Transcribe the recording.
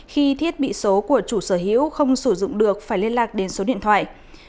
khi thiết bị số của chủ sở hữu không sử dụng được phải liên lạc đến số điện thoại